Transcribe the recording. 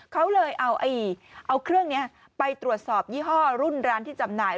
เขาเลยเอาเครื่องนี้ไปตรวจสอบยี่ห้อรุ่นร้านที่จำหน่าย